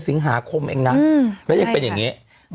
สิงหาคมเองนะแล้วยังเป็นอย่างนี้